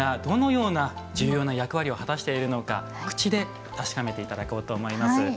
奥野さんには実際に木の芽がどのような重要な役割を果たしているのか口で確かめていただこうと思います。